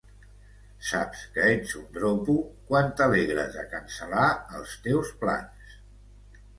Saps que ets un dropo quan t'alegres de cancel·lar els teus plans.